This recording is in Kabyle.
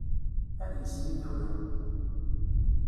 Ad yesni idurar.